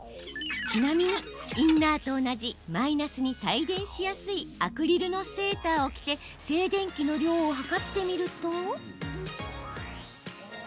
ちなみに、インナーと同じマイナスに帯電しやすいアクリルのセーターを着て静電気の量を測ってみると。